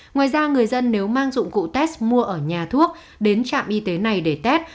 ngoài ra người dân nếu mang dụng cụ test mua ở nhà thuốc đến trạm y tế này để test